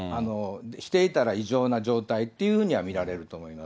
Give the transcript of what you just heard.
していたら異常な状態というふうには見られると思います。